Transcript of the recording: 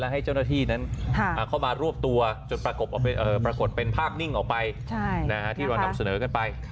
ให้เจ้าหน้าที่นั้นเข้ามารวบตัวจนปรากฏเป็นภาพนิ่งออกไปที่เรานำเสนอกันไป